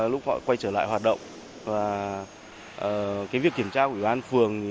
lúc họ quay trở lại hoạt động việc kiểm tra của ubnd phường